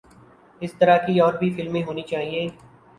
اس طرح کی اور بھی فلمیں ہونی چاہئے